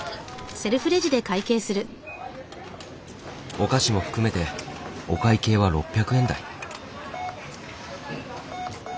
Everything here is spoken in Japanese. お菓子も含めてお会計は６００円台。